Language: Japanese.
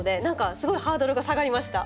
すごいハードルが下がりました。